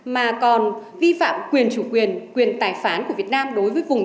mà còn vi phạm quyền chủ quyền quyền tài phán của việt nam đối với vùng biển của hoàng sa